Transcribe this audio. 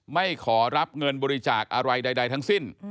ไม่ขอรับเงินบริจาคอะไรใดทั้งสิ้น